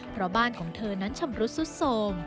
เพราะบ้านของเธอนั้นชำรุดสุดโทรม